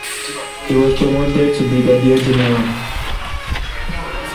He was promoted to brigadier general.